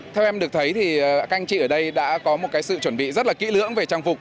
theo em được thấy thì các anh chị ở đây đã có một sự chuẩn bị rất là kỹ lưỡng về trang phục